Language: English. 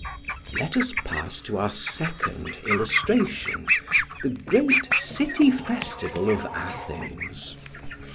Let us pass to our second illustration, the great city festival of Athens.